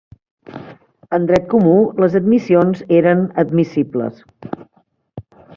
En dret comú, les admissions eren admissibles.